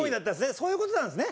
そういう事なんですね。